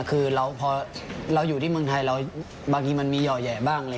คือเราอยู่ที่เมืองไทยบางทีมันมีหย่อแยะบ้าง